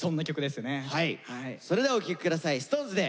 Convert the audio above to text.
それではお聴き下さいＳｉｘＴＯＮＥＳで。